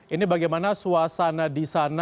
ini bagaimana suasana disanjungnya